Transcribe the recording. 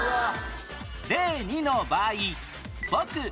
例２の場合「ぼく」